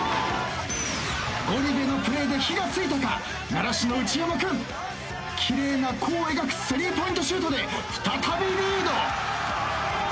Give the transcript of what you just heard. ゴリ部のプレーで火が付いたか習志野内山君奇麗な弧を描くスリーポイントシュートで再びリード。